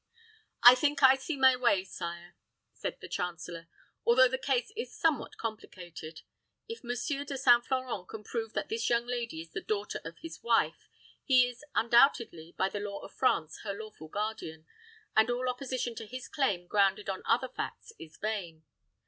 "I think I see my way, sire," said the chancellor; "although the case is somewhat complicated. If Monsieur De St. Florent can prove that this young lady is the daughter of his wife, he is undoubtedly, by the law of France, her lawful guardian, and all opposition to his claim grounded on other facts is vain.